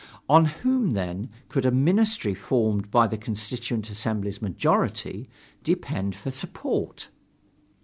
On whom, then, could a ministry formed by the Constituent Assembly's majority depend for support?